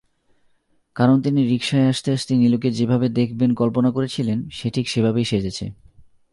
কারণ তিনি রিকশায় আসতে-আসতে নীলুকে যেভাবে দেখবেন কল্পনা করেছিলেন, সে ঠিক সেভাবেই সেজেছে।